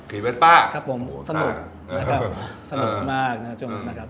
คีย์เวสป้าโหค่ะนะครับสนุกนะครับสนุกมากนะครับช่วงนั้นนะครับ